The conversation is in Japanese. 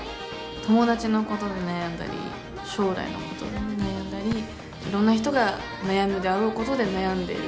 友達のことで悩んだり将来のことで悩んだりいろんな人が悩むであろうことで悩んでいる。